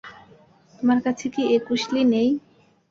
তোমার কাছে কি একুশ লী নেই?